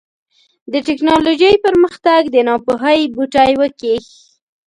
د ټيکنالوژۍ پرمختګ د ناپوهۍ بوټی وکېښ.